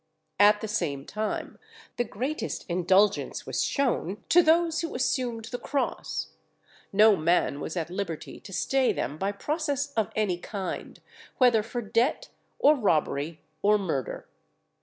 At the same time the greatest indulgence was shewn to those who assumed the cross; no man was at liberty to stay them by process of any kind, whether for debt, or robbery, or murder.